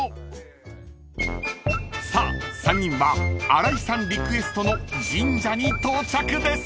［さあ３人は新井さんリクエストの神社に到着です］